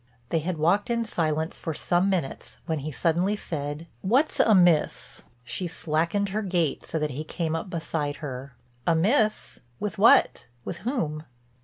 They had walked in silence for some minutes when he suddenly said: "What's amiss?" She slackened her gait so that he came up beside her. "Amiss? With what, with whom?"